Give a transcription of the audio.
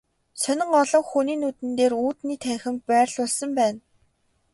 Сонин олон хүний нүдэн дээр үүдний танхимд байрлуулсан байна.